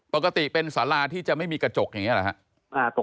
ปกติเป็นสาราที่จะไม่มีกระจกอย่างนี้หรือครับ